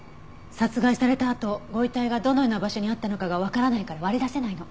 殺害されたあとご遺体がどのような場所にあったのかがわからないから割り出せないの。